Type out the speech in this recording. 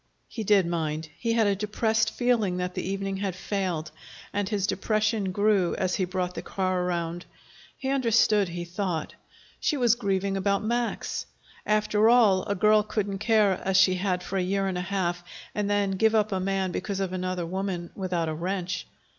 He did mind. He had a depressed feeling that the evening had failed. And his depression grew as he brought the car around. He understood, he thought. She was grieving about Max. After all, a girl couldn't care as she had for a year and a half, and then give a man up because of another woman, without a wrench.